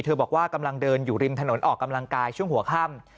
บอกว่ากำลังเดินอยู่ริมถนนออกกำลังกายช่วงหัวค่ำ